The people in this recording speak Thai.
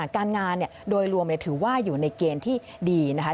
การงานโดยรวมถือว่าอยู่ในเกณฑ์ที่ดีนะคะ